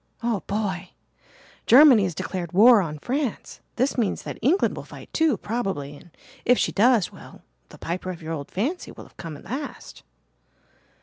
"Oh, boy, Germany has declared war on France. This means that England will fight too, probably and if she does well, the Piper of your old fancy will have come at last."